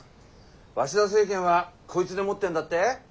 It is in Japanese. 鷲田政権はこいつでもってんだって。